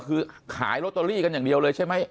คือขายลอตเตอรี่กันอย่างเดียวเลยใช่ไหม